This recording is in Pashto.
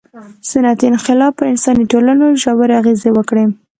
• صنعتي انقلاب پر انساني ټولنو ژورې اغېزې وکړې.